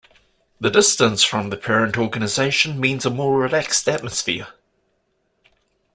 The distance from the parent organization means a more relaxed atmosphere.